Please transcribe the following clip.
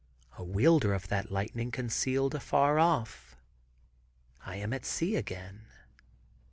A wielder of that lightening concealed afar off. I am at sea again.